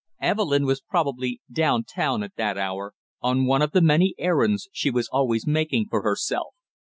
Evelyn was probably down town at that hour, on one of the many errands she was always making for herself.